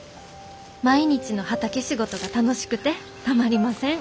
毎日の畑仕事が楽しくてたまりません」。